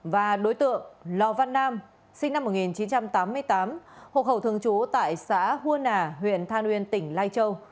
và đối tượng lò văn nam sinh năm một nghìn chín trăm tám mươi tám hộ khẩu thường trú tại xã hua nà huyện than uyên tỉnh lai châu